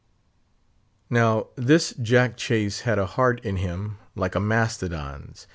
Now, this Jack Chase had a heart in him like a mastodon's.